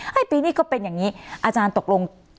ปีนี้ก็เป็นอย่างนี้อาจารย์ตกลง